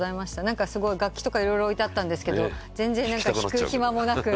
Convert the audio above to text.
何かすごい楽器とか色々置いてあったんですが全然弾く暇もなく。